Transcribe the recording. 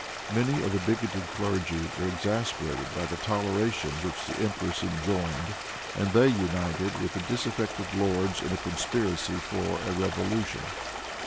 Many of the bigoted clergy were exasperated by the toleration which the empress enjoined, and they united with the disaffected lords in a conspiracy for a revolution.